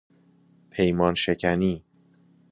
پیمانشکنی